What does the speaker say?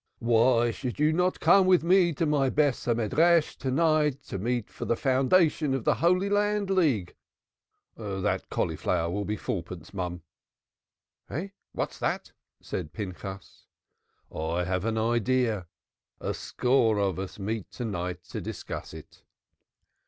"Why should you not come with me to my Beth Hamidrash to night, to the meeting for the foundation of the Holy Land League? That cauliflower will be four pence, mum." "Ah, what is that?" said Pinchas. "I have an idea; a score of us meet to night to discuss it."